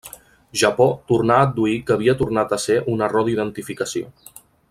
Japó tornà a adduir que havia tornat a ser un error d'identificació.